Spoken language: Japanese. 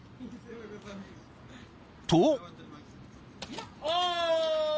［と］